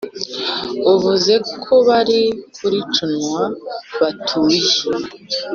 “uvuze ko babiri kuri conway batuye,